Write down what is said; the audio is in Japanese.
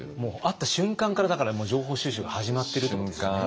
会った瞬間からもう情報収集が始まってるということですよね。